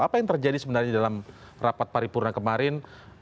apa yang terjadi sebenarnya dalam rapat paripurna kemarin